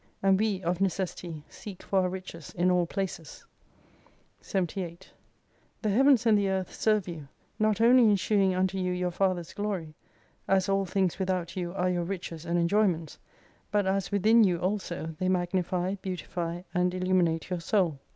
And we of necessity seek for our riches in all places. 78 The Heavens and the Earth serve you, not only in shewing unto you your Father's Glory, as all things without you are your riches and enjoyments, but as within you also, they magnify, beautify and illuminate your soul.